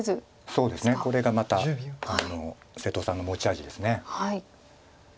そうですねこれがまた瀬戸さんの持ち味です。